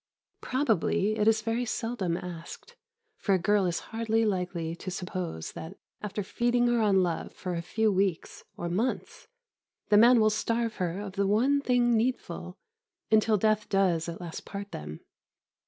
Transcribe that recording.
Probably it is very seldom asked; for a girl is hardly likely to suppose that, after feeding her on love for a few weeks, or months, the man will starve her of the one thing needful, until death does at last part them.